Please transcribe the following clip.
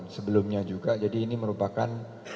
sebelumnya juga jadi ini merupakan